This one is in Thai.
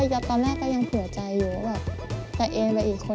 ชอบผู้หญิงผู้จานกับผู้พ้อ